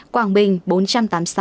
quảng bình bốn trăm tám mươi sáu